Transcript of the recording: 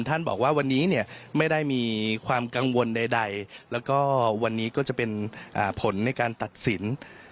บอกว่าวันนี้เนี่ยไม่ได้มีความกังวลใดแล้วก็วันนี้ก็จะเป็นผลในการตัดสิน